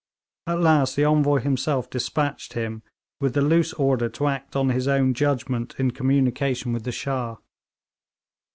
At last the Envoy himself despatched him, with the loose order to act on his own judgment in communication with the Shah.